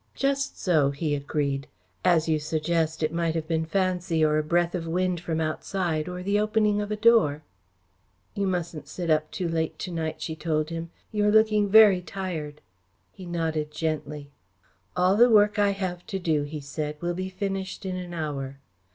"Just so," he agreed. "As you suggest, it might have been fancy, or a breath of wind from outside, or the opening of a door." "You mustn't sit up too late to night," she told him. "You are looking very tired." He nodded gently. "All the work I have to do," he said, "will be finished in an hour.